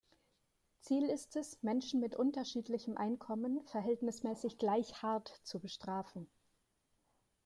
Ziel ist es, Menschen mit unterschiedlichem Einkommen verhältnismäßig gleich hart zu bestrafen.